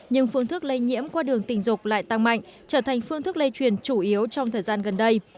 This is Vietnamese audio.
nhưng phương thức lây nhiễm qua đường tình dục lại tăng mạnh trở thành phương thức lây truyền chủ yếu trong thời gian gần đây